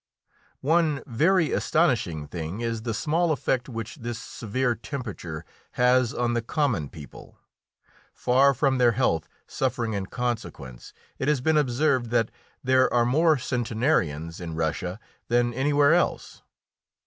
One very astonishing thing is the small effect which this severe temperature has on the common people. Far from their health suffering in consequence, it has been observed that there are more centenarians in Russia than anywhere else.